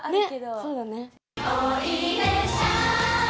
そうだね。